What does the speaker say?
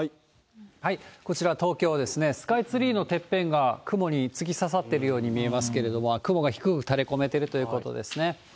こちらは東京ですね、スカイツリーのてっぺんが、雲に突き刺さっているように見えますけれども、雲が低く垂れこめているということですね。